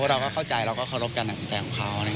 เราก็เข้าใจเราก็เคารพการตัดสินใจของเขา